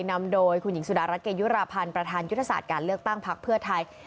นำโดยคุณหญิงสุดารัฐเกยุราพันธ์ประธานยุทธศาสตร์การเลือกตั้งพักเพื่อไทย